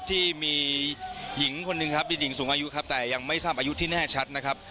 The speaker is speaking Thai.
ที่มีหญิงคนหนึ่งครับมีหญิงสูงอายุครับแต่ยังไม่ทราบอายุที่แน่ชัดนะครับ